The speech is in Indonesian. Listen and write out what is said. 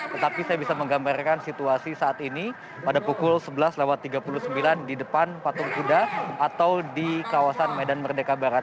tetapi saya bisa menggambarkan situasi saat ini pada pukul sebelas tiga puluh sembilan di depan patung kuda atau di kawasan medan merdeka barat